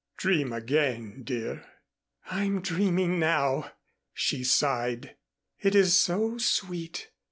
"Dream again, dear." "I'm dreaming now," she sighed. "It is so sweet.